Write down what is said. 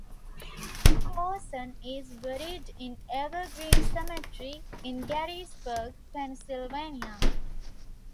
Courson is buried in Evergreen Cemetery, in Gettysburg, Pennsylvania.